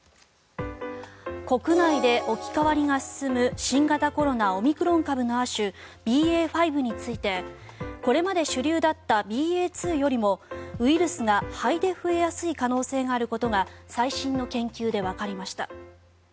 国内で置き換わりが進む新型コロナ、オミクロン株の亜種ＢＡ．５についてこれまで主流だったＢＡ．２よりもウイルスが肺で増えやすい可能性があることが最新の研究でわかりました。